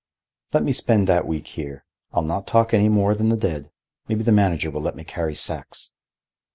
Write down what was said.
"Let me spend that week here. I'll not talk any more than the dead. Maybe the manager will let me carry sacks."